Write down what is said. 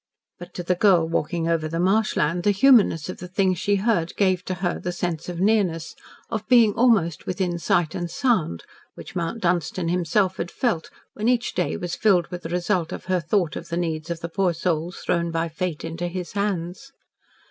But, to the girl walking over the marshland, the humanness of the things she heard gave to her the sense of nearness of being almost within sight and sound which Mount Dunstan himself had felt, when each day was filled with the result of her thought of the needs of the poor souls thrown by fate into his hands.